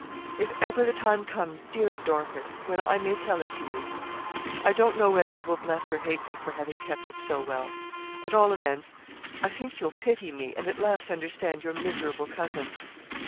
'If ever the time comes, dear Dorcas, when I may tell it to you, I don't know whether you will bless or hate me for having kept it so well; at all events, I think you'll pity me, and at last understand your miserable cousin.'